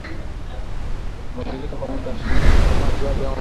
Zimeongeza muda wa shughuli za Operesheni Shujaa